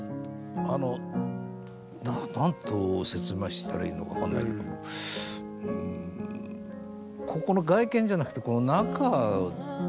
あの何と説明したらいいのか分かんないけどもここの外見じゃなくてへえ。